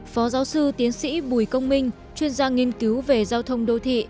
phó giáo sư tiến sĩ bùi công minh chuyên gia nghiên cứu về giao thông đô thị